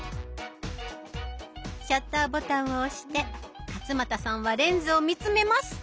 シャッターボタンを押して勝俣さんはレンズを見つめます。